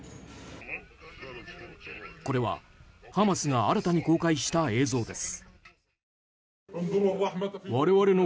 これは、ハマスが新たに公開した映像です。